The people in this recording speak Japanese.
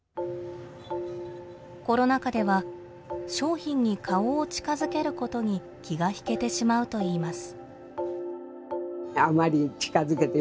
コロナ禍では商品に顔を近づけることに気が引けてしまうといいます。